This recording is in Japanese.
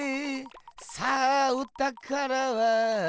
さあおたからはどこだ？